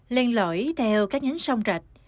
lên lõi theo các nhánh sông rạch